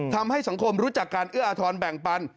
ทำให้สังคมรู้จักการเอื้ออาทรแบ่งปัน